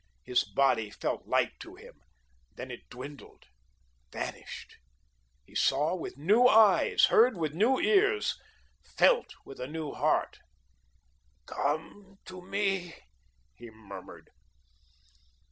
His body felt light to him, then it dwindled, vanished. He saw with new eyes, heard with new ears, felt with a new heart. "Come to me," he murmured.